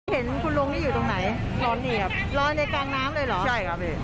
เห็นคุณลุงนี่อยู่ตรงไหนร้อนนี่ครับร้อนเลยกลางน้ำเลยเหรอใช่ครับพี่